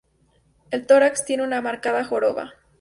El tórax tiene una marcada joroba.